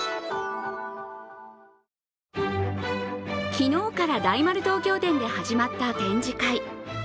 昨日から大丸東京店で始まった展示会。